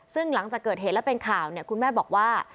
ซึ่งหลังจากเกิดเหตุแล้วเป็นข่าวเนี่ยคุณแม่บอกว่า